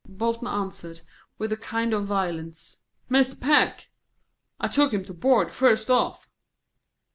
Bolton answered, with a kind of violence, "Mr. Peck; I took him to board, first off."